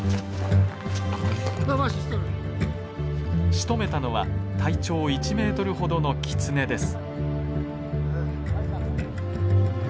しとめたのは体長１メートルほどのキツネです。